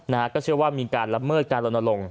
นะฮะก็เชื่อว่ามีการละเมิดการลนลง